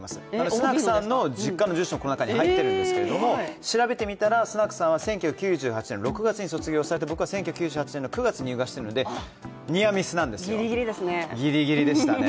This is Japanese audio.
スナクさんの実家の住所もこの中に入っているんですが調べてみたら、スナクさんは１９９８年６月に卒業されて、僕は１９９９年の９月に入学しているのでニアミスなんです、ギリギリでしたね。